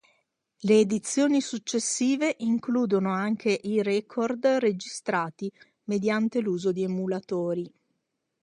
Le edizioni successive includono anche i record registrati mediante l'uso di emulatori.